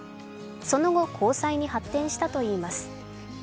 その後、交際に発展したといいます。